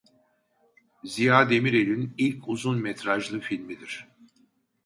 Ziya Demirel'in ilk uzun metrajlı filmidir.